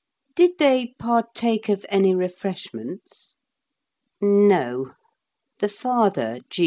Did they partake of any refreshments? No; the father, G.